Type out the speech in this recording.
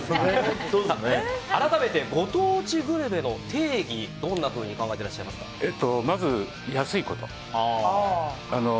改めてご当地グルメの定義どんなふうにまず、安いこと。